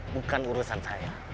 bukan urusan saya